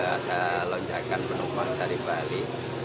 ada lonjakan penumpang dari bali